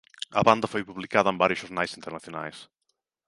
A banda foi publicada en varios xornais internacionais.